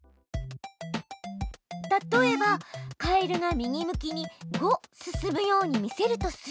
例えばカエルが右向きに「５」進むように見せるとする。